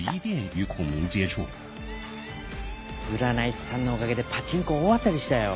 占い師さんのおかげでパチンコ大当たりしたよ